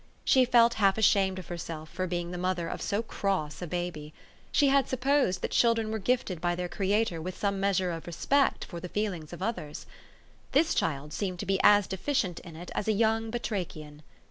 She felt half ashamed of herself for being the mother of so cross a baby. She had supposed that children were gifted by their Creator with some measure of respect for the feelings of others. This child seemed to be as deficient in it as a young batrachian.